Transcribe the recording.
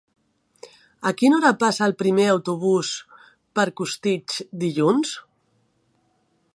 A quina hora passa el primer autobús per Costitx dilluns?